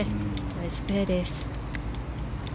ナイスプレーです。